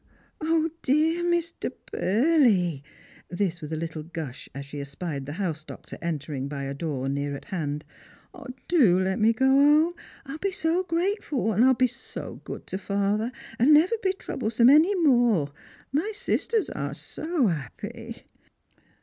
0, dear Mr. Burley," this with a little gush as she espied the house doctor entering by a door near at hand, " do let me go 'ome. I'll be so grateful, and I'll be so good to father, and never be trouble some any more. My sisters are so 'appy